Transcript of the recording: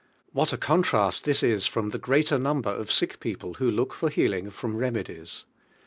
What a contrast tMa is from the great er number of sick people who look for healing from remedies.